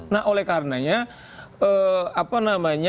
nah oleh karenanya apa namanya